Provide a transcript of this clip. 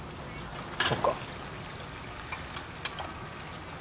そっか。